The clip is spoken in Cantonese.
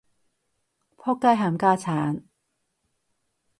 僕街冚家鏟